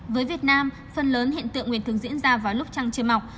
với việt nam phần lớn hiện tượng nguyệt thường diễn ra vào lúc trăng chưa mọc